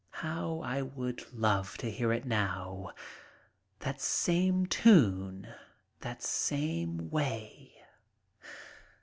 How I would love to hear it now, that same tune, that same way!